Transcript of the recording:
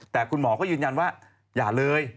แต่คุณหมอก็ยืนยันว่าอย่าเลย